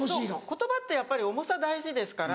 言葉ってやっぱり重さ大事ですから。